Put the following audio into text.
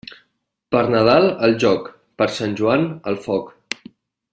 Per Nadal al jóc, per Sant Joan al foc.